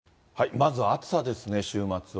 まず暑さですね、週末は。